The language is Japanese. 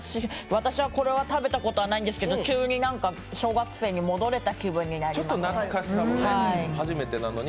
私はこれは食べたことないんですけど、急に小学生に戻れた気分になりました。